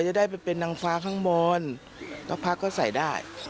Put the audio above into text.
ไม่ได้ไปเป็นดังฟ้าข้างบนแล้วพักก็ใส่ได้